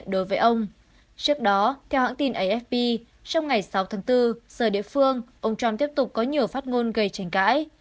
trước đó theo hãng tin afp trong ngày sáu tháng bốn giờ địa phương ông trump tiếp tục có nhiều phát ngôn gây tranh cãi